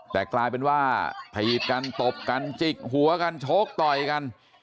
แต่กลายเป็นว่าถีดกันตบกันจิกหัวกันโชคต่อยกัน